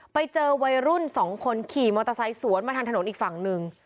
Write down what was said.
ไปเจอวัยรุ่นสองคนขี่มอเตอร์ไซค์สวนมาทางถนนอีกฝั่งหนึ่ง